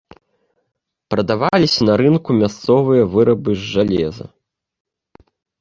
Прадаваліся на рынку мясцовыя вырабы з жалеза.